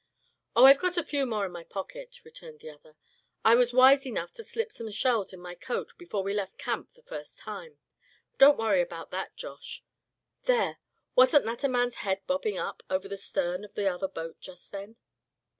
"Oh! I've got a few more in my pocket," returned the other. "I was wise enough to slip some shells in my coat before we left camp the first time. Don't worry about that, Josh. There! wasn't that a man's head bobbing up above the stern of the other boat just then?"